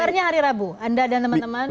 sebenarnya hari rabu anda dan teman teman